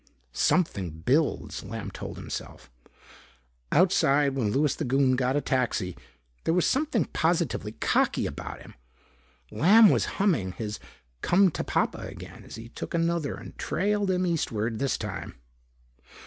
"Something builds," Lamb told himself. Outside, when Louis the Goon got a taxi, there was something positively cocky about him. Lamb was humming his "Come to Papa" again as he took another and trailed him eastward this time.